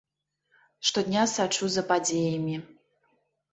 Штодня сачу за падзеямі.